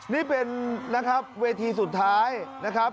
นี่เป็นนะครับเวทีสุดท้ายนะครับ